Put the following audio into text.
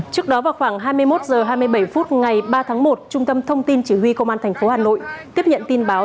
trước đó vào khoảng hai mươi một h hai mươi bảy phút ngày ba tháng một trung tâm thông tin chỉ huy công an tp hà nội tiếp nhận tin báo